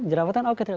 jerapatan oke tiba tiba